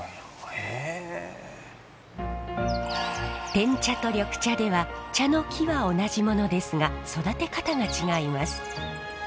てん茶と緑茶では茶の木は同じものですが育て方が違います。